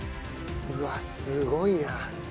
うわっすごいな。